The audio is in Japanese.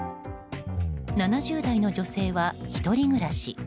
７０代の女性は１人暮らし。